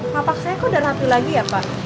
pak papa saya kok udah rapi lagi ya pak